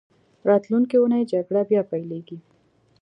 راتلونکې اونۍ جګړه بیا پیلېږي.